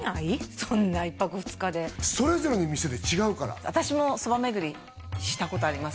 そんな一泊二日でそれぞれの店で違うから私も蕎麦めぐりしたことあります